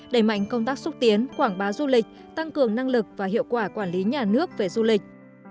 đẩy mạnh công tác xúc tiến quảng bá du lịch tăng cường năng lực và hiệu quả quản lý nhà nước về du lịch